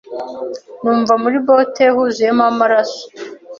numva muri bote huzuyemo amaraso